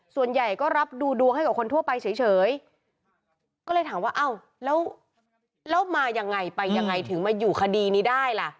ส่วนใหญ่ก็รับดูดวงให้กับคนทั่วไปเฉยก็เลยถามว่าอ้าวแล้วมายังไงไปยังไงถึงมาอยู่คดีนี้ได้ล่ะ